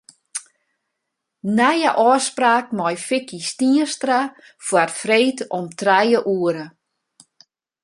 Nije ôfspraak mei Vicky Stienstra foar freed om trije oere.